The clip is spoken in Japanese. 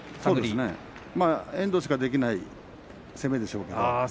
遠藤しかできない攻めでしょうけど。